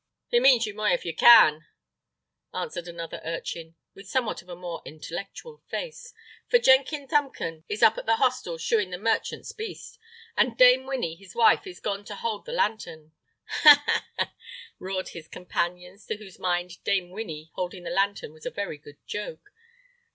"He means ye moy if ye can," answered another urchin, with somewhat of a more intellectual face: "for Jenkin Thumpum is up at the hostel shoeing the merchant's beast, and Dame Winny, his wife, is gone to hold the lantern. He! he! he!" "Ha! ha! ha!" roared his companions, to whose mind Dame Winny holding the lantern was a very good joke.